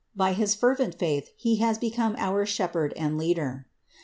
By his fervent faith he has become our shepherd and leader.